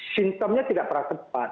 sintomnya tidak pernah cepat